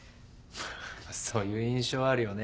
そういう印象あるよね。